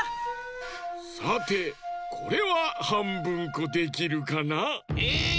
さてこれははんぶんこできるかな？え！